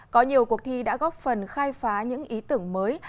có nhiều cuộc thi đã góp phần khai phá những ý tưởng mới